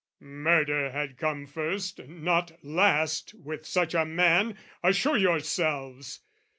Murder had come first "Not last with such a man, assure yourselves!